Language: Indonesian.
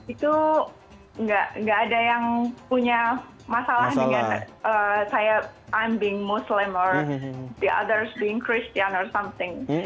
itu nggak ada yang punya masalah dengan saya saya menjadi muslim atau orang lain menjadi kristian atau sesuatu